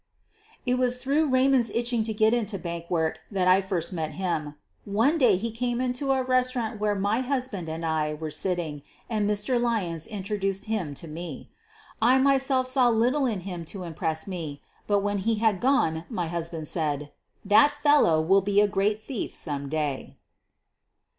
It was through Eaymond 's itching to get into bank work that I first met him. One day he came into a restaurant where my husband and I were sitting, and Mr. Lyons introduced him to me. I myself saw little in him to impress me, but when he had gone my husband said: "That fellow will be a great thief some day."